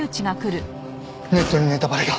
ネットにネタバレが。